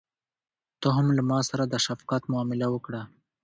ته هم له ماسره د شفقت معامله وکړه.